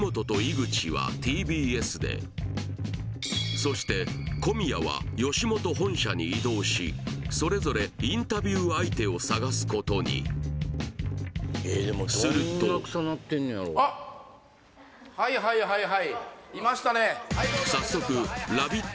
そして小宮は吉本本社に移動しそれぞれインタビュー相手を探すことにすると早速「ラヴィット！」